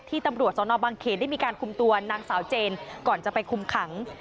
ตำรวจสนบางเขตได้มีการคุมตัวนางสาวเจนก่อนจะไปคุมขัง